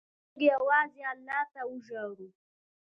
موږ یوازې الله ته وژاړو.